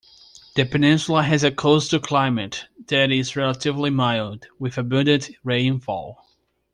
The peninsula has a coastal climate that is relatively mild, with abundant rainfall.